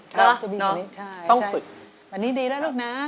ครับน่ะต้องฝึกใช่วันนี้ดีแล้วลูกน้า